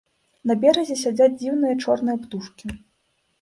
На беразе сядзяць дзіўныя чорныя птушкі.